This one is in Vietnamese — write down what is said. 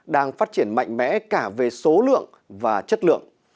đang phát triển mạnh mẽ cả về số lượng và chất lượng